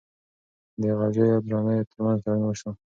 د غلجیو او درانیو ترمنځ تړون وسو.